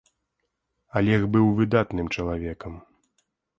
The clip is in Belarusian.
Алег быў выдатным чалавекам.